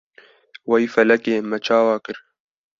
Wey felekê me çawa kir?